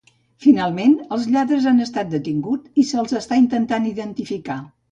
Finalment, els lladres han estat detinguts i se'ls està intentant identificar